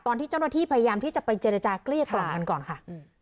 ตอนที่เจ้าหน้าที่พยายามที่จะไปเจรจาเกลี้ยกล่อมกันก่อนค่ะ